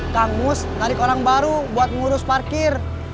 kang mus tarik orang baru buat ngurus parkir